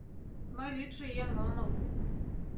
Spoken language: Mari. Мый лӱдшӧ еҥ омыл.